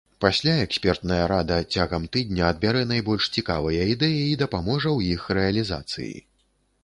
Пасля экспертная рада цягам тыдня адбярэ найбольш цікавыя ідэі і дапаможа ў іх рэалізацыі.